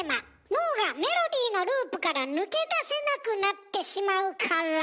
脳が「メロディーのループ」から抜け出せなくなってしまうからたぶん。